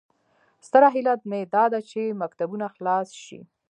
ستره هیله مې داده چې مکتبونه خلاص شي